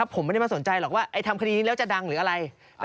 ผมไม่ได้มาสนใจหรอกว่าทำคดีนี้แล้วจะดังหรืออะไร